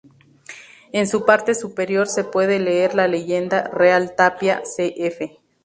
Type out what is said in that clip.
En su parte superior se puede leer la leyenda "Real Tapia C. F.".